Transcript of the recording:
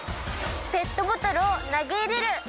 ペットボトルを投げ入れる。